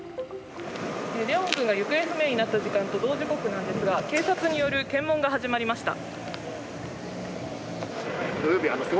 怜音君が行方不明になった時間と同時刻なんですが警察による検問が始まりました。